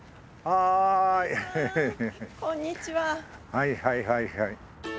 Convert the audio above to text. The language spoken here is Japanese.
はいはいはいはい。